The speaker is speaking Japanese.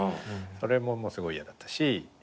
それもすごい嫌だったし。